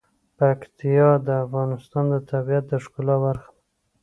پکتیا د افغانستان د طبیعت د ښکلا برخه ده.